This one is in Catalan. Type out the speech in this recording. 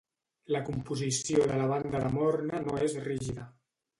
La composició de la banda de Morna no és rígida.